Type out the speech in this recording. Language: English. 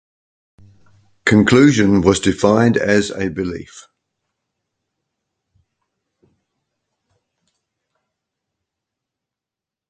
"Conclusion" was defined as a belief.